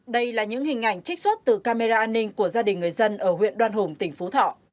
đây là những hình ảnh trích xuất từ camera an ninh của gia đình người dân ở huyện đoan hùng tỉnh phú thọ